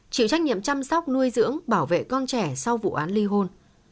chịu trách nhiệm chăm sóc nuôi dưỡng bảo vệ con trẻ sau vụ án ly hôn